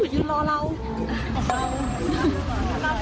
ไม่เอาเท่าว่างไกลก็ดีแล้ว